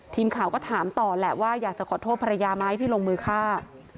ทีมข่าวก็ถามต่อแหละว่าอยากจะขอโทษภรรยาไหมที่ลงมือฆ่า